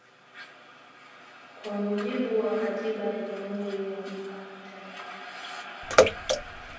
Kwa mujibu wa katiba ya jamhuri ya muungano wa Tanzania